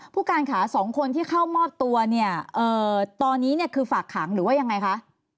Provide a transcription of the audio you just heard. ผู้การค่ะสองคนที่เข้ามอบตัวเนี่ยตอนนี้เนี่ยคือฝากขังหรือว่ายังไงคะ